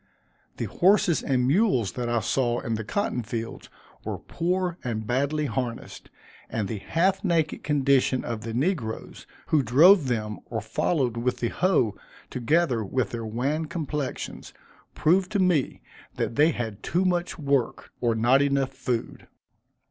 The horses and mules that I saw in the cotton fields, were poor and badly harnessed, and the half naked condition of the negroes, who drove them, or followed with the hoe, together with their wan complexions, proved to me that they had too much work, or not enough food.